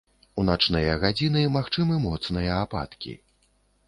У начныя гадзіны магчымы моцныя ападкі.